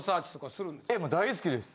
もう大好きです。